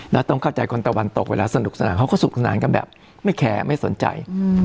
แล้วต้องเข้าใจคนตะวันตกเวลาสนุกสนานเขาก็สนุกสนานกันแบบไม่แคร์ไม่สนใจ